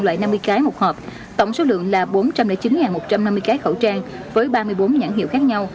loại năm mươi cái một hộp tổng số lượng là bốn trăm linh chín một trăm năm mươi cái khẩu trang với ba mươi bốn nhãn hiệu khác nhau